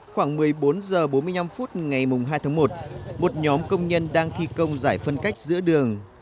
khoảng một mươi bốn h bốn mươi năm phút ngày hai tháng một một nhóm công nhân đang thi công giải phân cách giữa đường